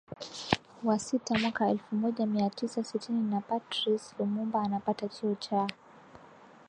wa sita mwaka elfu moja mia tisa sitini na Patrice Lumumba anapata cheo cha